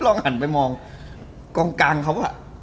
ลองหันไปมองกลางเขาอ่ะ